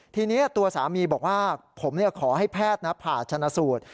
ทีนี้ตัวสามีบอกว่าผมขอให้แพทย์ผ่าชนะสูตร